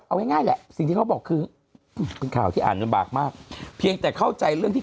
เอาง่ายแหละสิ่งที่เขาบอกคือเป็นข่าวที่อ่านลำบากมากเพียงแต่เข้าใจเรื่องที่